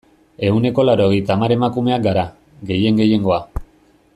Ehuneko laurogeita hamar emakumeak gara, gehien gehiengoa.